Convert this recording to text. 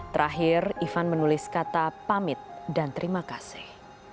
terakhir ivan menulis kata pamit dan terima kasih